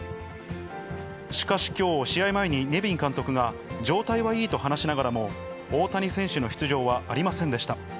しかしきょう、試合前にネビン監督が、状態はいいと話しながらも、大谷選手の出場はありませんでした。